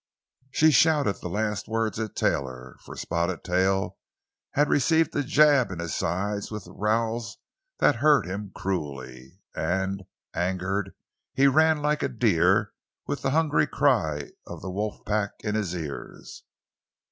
She shouted the last words at Taylor, for Spotted Tail had received a jab in the sides with the rowels that hurt him cruelly, and, angered, he ran like a deer with the hungry cry of a wolf pack in his ears.